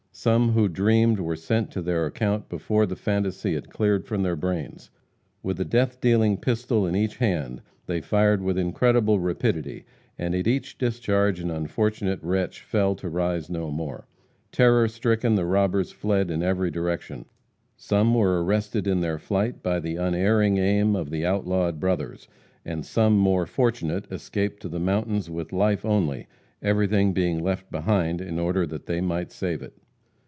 Some who dreamed were sent to their account before the phantasy had cleared from their brains. With a death dealing pistol in each hand, they fired with incredible rapidity, and at each discharge an unfortunate wretch fell to rise no more. Terror stricken, the robbers fled in every direction. Some were arrested in their flight by the unerring aim of the outlawed brothers; and some more fortunate escaped to the mountains with life only, everything being left behind in order that they might save it.